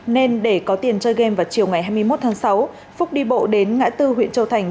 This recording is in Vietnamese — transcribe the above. nên để có tiền chơi game vào chiều ngày hai mươi một tháng sáu phúc đi bộ đến ngã tư huyện châu thành